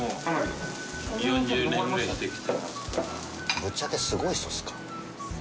ぶっちゃけ、すごい人ですか？